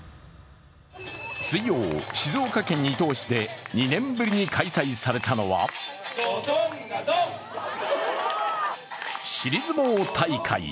水曜、静岡県伊東市で２年ぶりに開催されたのは尻相撲大会。